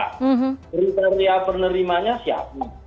kriteria penerimanya siapa